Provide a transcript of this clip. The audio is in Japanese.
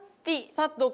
サッド！